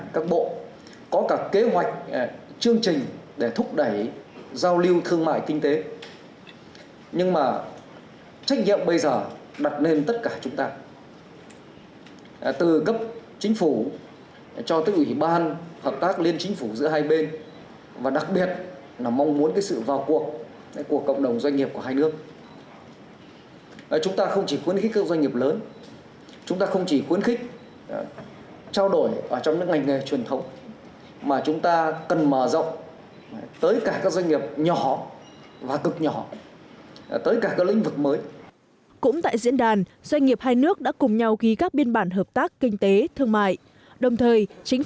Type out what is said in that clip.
cùng diễn đàn doanh nghiệp hai nước đã cùng nhau ghi các biên bản hợp tác kinh tế thương mại đồng thời